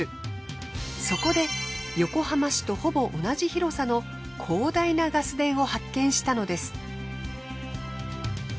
そこで横浜市とほぼ同じ広さの広大なガス田を発見したのです。